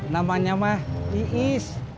namanya mah iis